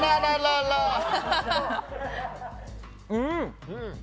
うん！